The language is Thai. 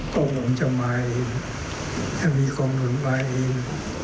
กองหนุนจะมาเองจะมีกองหนุนมาเอง